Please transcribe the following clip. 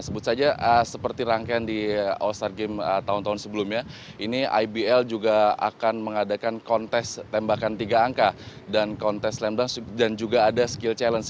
sebut saja seperti rangkaian di all star game tahun tahun sebelumnya ini ibl juga akan mengadakan kontes tembakan tiga angka dan kontes lembang dan juga ada skill challenge